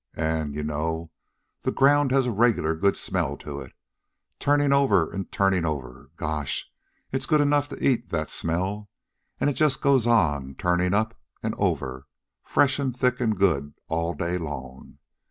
An', you know, the ground has a regular good smell to it, a turnin' over an' turnin' over. Gosh, it's good enough to eat, that smell. An' it just goes on, turnin' up an' over, fresh an' thick an' good, all day long.